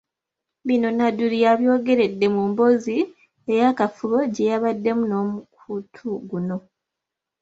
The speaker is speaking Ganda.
Bino Nadduli yabyogeredde mu mboozi ey'akafubo gye yabaddemu n'omukutu guno.